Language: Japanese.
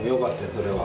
それは。